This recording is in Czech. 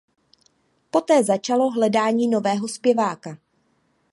Poté začalo hledání nového zpěváka.